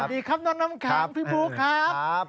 สวัสดีครับน้องน้ำขางพี่บุคครับ